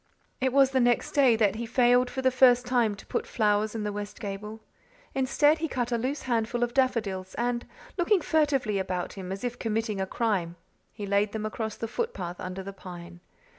It was the next day that he failed for the first time to put flowers in the west gable. Instead, he cut a loose handful of daffodils and, looking furtively about him as if committing a crime, he laid them across the footpath under the pine.